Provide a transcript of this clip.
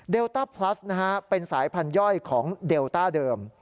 เดลต้าพลัสเป็นสายพันธุ์ย่อยของเดลต้าเดิม